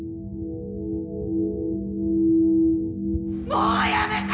もうやめて！